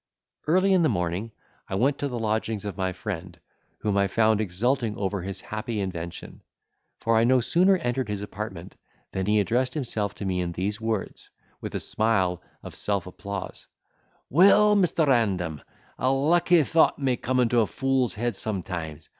Early in the morning, I went to the lodgings of my friend, whom I found exulting over his happy invention! for I no sooner entered his apartment, than he addressed himself to me in these words, with a smile of self applause: "Well, Mr. Random, a lucky thought may come into a fool's head sometimes.